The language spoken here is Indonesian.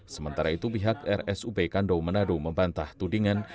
sementara itu pihak rsub kandow manado membantah tudingan